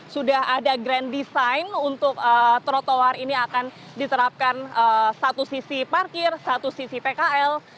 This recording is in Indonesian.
sudah ada grand design untuk trotoar ini akan diterapkan satu sisi parkir satu sisi pkl